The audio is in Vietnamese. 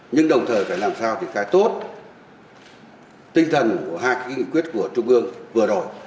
nhưng đồng thời phải làm sao triển khai tốt tinh thần của hai cái nghị quyết của trung ương vừa rồi